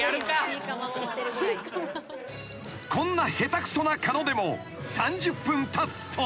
［こんな下手くそな狩野でも３０分たつと］